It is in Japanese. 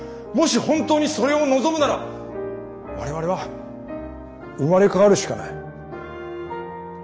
もし本当にそれを望むなら我々は生まれ変わるしかない。